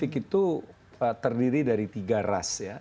itu terdiri dari tiga ras ya